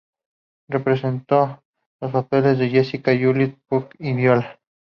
Representó los papeles de Jessica, Julieta, Puck y Viola.